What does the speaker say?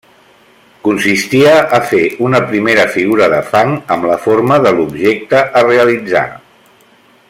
Consistia a fer una primera figura de fang amb la forma de l'objecte a realitzar.